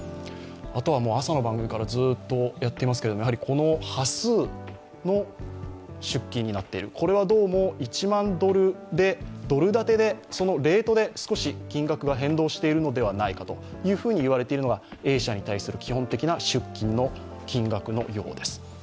あとは朝の番組からずっとやっていますけどこの端数の出金になっているこれはどうも１万ドルでドル建てのレートで少し金額が変動しているのではないかと言われているのがＡ社に対する基本的な出金の金額のようです。